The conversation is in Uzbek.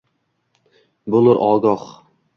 Bo’lur ogoh